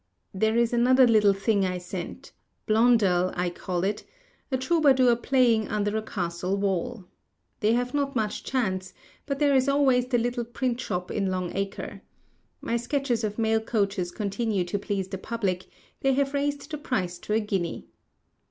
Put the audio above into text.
There is another little thing I sent—"Blondel" I call it—a troubadour playing under a castle wall. They have not much chance; but there is always the little print shop in Long Acre. My sketches of mail coaches continue to please the public; they have raised the price to a guinea.